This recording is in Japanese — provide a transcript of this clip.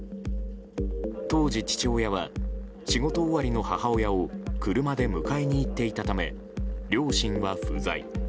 当時、父親は仕事終わりの母親を車で迎えに行っていたため両親は不在。